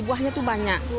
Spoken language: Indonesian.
buahnya itu banyak